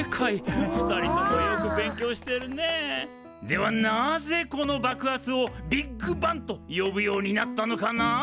ではなぜこの爆発を「ビッグバン」と呼ぶようになったのかな？